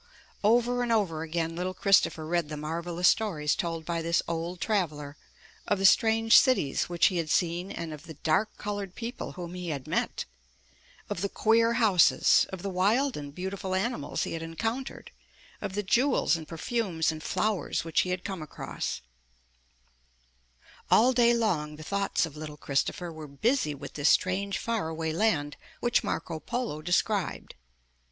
Over and over again little Christopher read the marvelous stories told by this old traveller, of the strange cities which he had seen and of the dark colored people whom he had met; of the queer houses; of the wild and beautiful animals he had encountered; of the jewels and perfumes and *Prom In Story Land. Used by special arrangement with the author. 204 UP ONE PAIR OF STAIRS flowers which he had come across. All day long the thoughts of little Christopher were busy with this strange far away land which Marco Polo described.